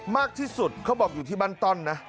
มากที่สุดเขาบอกอยู่ที่บ้านต้อนนะ